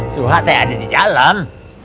suha teh ada di dalam